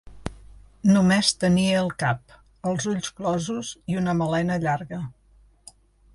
Només tenia el cap, els ulls closos i una melena llarga.